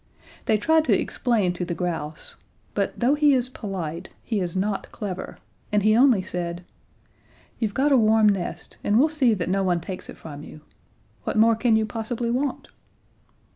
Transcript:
They tried to explain to the grouse; but though he is polite, he is not clever, and he only said: "You've got a warm nest, and we'll see that no one takes it from you. What more can you possibly want?"